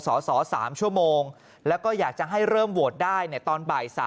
สส๓ชั่วโมงแล้วก็อยากจะให้เริ่มโหวตได้ในตอนบ่าย๓